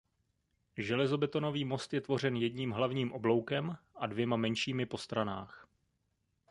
Železobetonový most je tvořen jedním hlavním obloukem a dvěma menšími po stranách.